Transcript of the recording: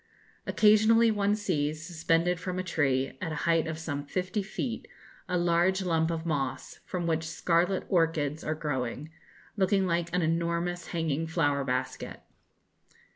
Occasionally one sees, suspended from a tree, at a height of some fifty feet, a large lump of moss, from which scarlet orchids are growing; looking like an enormous hanging flower basket.